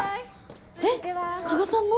えっ加賀さんも？